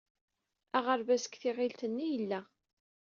Aɣerbaz deg tiɣilt-nni i yella.